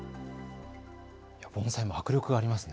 盆栽も迫力がありますね。